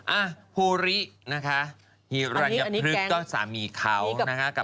อ่ะภูรินะคะฮิรัญพฤกษ์ก็สามีเขานะคะ